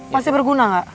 pasti berguna nggak